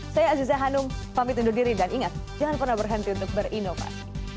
saya aziza hanum pamit undur diri dan ingat jangan pernah berhenti untuk berinovasi